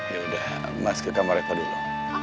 ya udah mas ke kamar rafa dulu